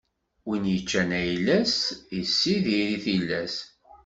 Win iččan ayla-s, issidir i tillas.